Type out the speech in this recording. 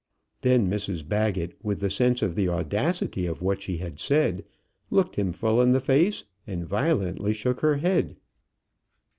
Then Mrs Baggett, with the sense of the audacity of what she had said, looked him full in the face and violently shook her head.